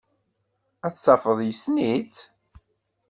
Ad tafeḍ yessen-itt.